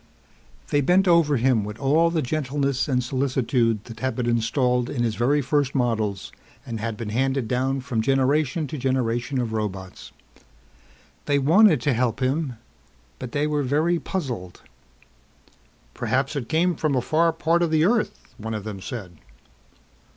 They bent over him with all the gentleness and solicitude that had been installed in his very first models and had been handed down from generation to generation of robots. They wanted to help him but they were very puzzled. "Perhaps it came from a far part of the earth," one of them said.